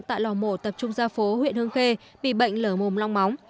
tại lò mổ tập trung gia phố huyện hương khê bị bệnh lở mồm long móng